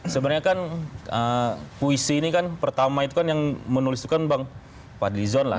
sebenarnya kan puisi ini kan pertama itu kan yang menulis itu kan bang fadlizon lah